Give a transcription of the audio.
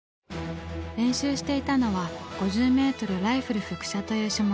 練習していたのは「５０メートルライフル伏射」という種目。